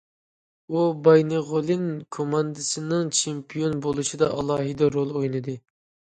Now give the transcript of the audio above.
ئۇ بايىنغولىن كوماندىسىنىڭ چېمپىيون بولۇشىدا ئالاھىدە رول ئوينىدى.